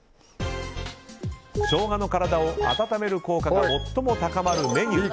ショウガの、体を温める効果が最も高まるメニュー。